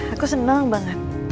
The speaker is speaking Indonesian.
aku seneng banget